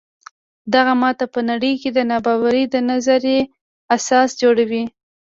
دغه ماته په نړۍ کې د نابرابرۍ د نظریې اساس جوړوي.